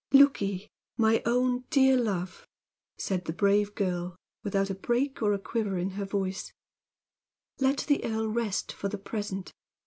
"Look ye, my own dear love," said the brave girl, without a break or a quiver in her voice, "let the earl rest for the present.